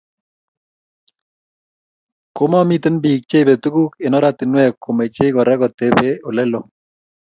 Komomete bik che ibei tuguk eng oratinwek komochei Kora kotebe Ole loo